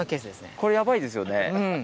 これヤバいですよね。